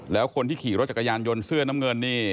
แล้วคนที่ขี่รถจักรยานยนต์เสื้อน้ำเงินนี่